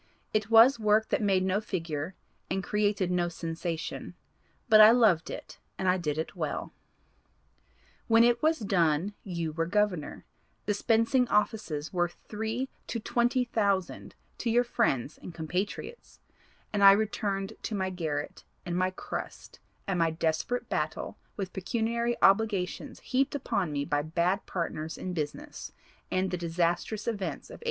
It was work that made no figure and created no sensation; but I loved it and I did it well." "When it was done you were Governor; dispensing offices worth three to twenty thousand to your friends and compatriots, and I returned to my garret and my crust and my desperate battle with pecuniary obligations heaped upon me by bad partners in business and the disastrous events of 1837.